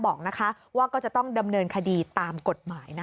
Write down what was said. บอกว่าก็จะต้องดำเนินคดีตามกฎหมายนะคะ